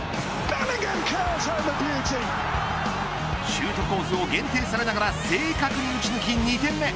シュートを限定されながら２点目正確に打ち抜き２点目。